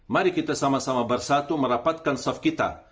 mari kita sama sama bersatu merapatkan staff kita